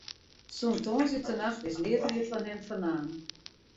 Sûnt tongersdeitenacht is neat mear fan him fernaam.